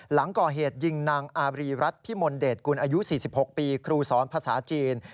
หลังก่อเหตุยิงนางอารีรัฐพิมลเดชกุลอายุ๔๖ปีครูสอนภาษาจีน